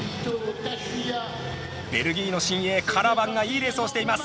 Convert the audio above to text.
ベルギーの新鋭、カラバンがいいレースをしています。